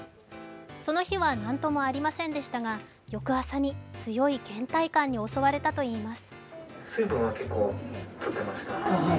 その日はなんともありませんでしたが翌朝に強いけん怠感に襲われたといいます。